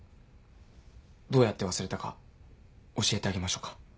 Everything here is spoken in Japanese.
どうやって忘れたか教えてあげましょうか？